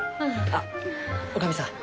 あっ女将さん。